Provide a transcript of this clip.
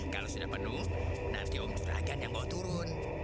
kalau sudah penuh nanti om juragan yang bawa turun